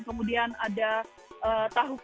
kemudian ada tahap